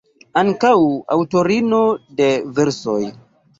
Ankaŭ aŭtorino de versoj.